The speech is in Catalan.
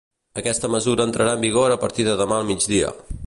Aquesta mesura entrarà en vigor a partir de demà al migdia.